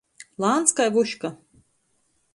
Lāns kai vuška.